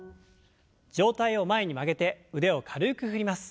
上体を前に曲げて腕を軽く振ります。